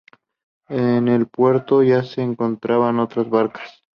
En el puerto ya se encontraban otras barcas.